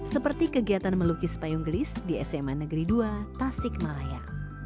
seperti kegiatan melukis payung gelis di sma negeri dua tasik malaya